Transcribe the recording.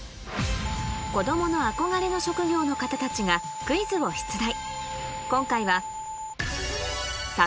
こどもの憧れの職業の方たちがクイズを出題